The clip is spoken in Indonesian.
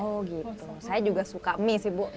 oh gitu saya juga suka mie sih bu